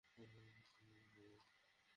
তোমাকে খুব মনে পরছে।